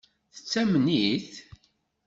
Tettamen-it?